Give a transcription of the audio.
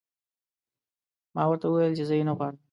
ما ورته وویل چې زه یې نه غواړم